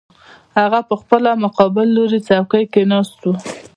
هغه پخپله په مقابل لوري څوکۍ کې ناست و